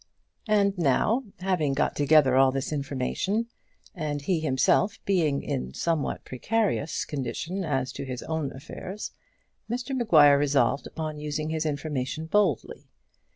And now, having got together all this information, and he himself being in a somewhat precarious condition as to his own affairs, Mr Maguire resolved upon using his information boldly.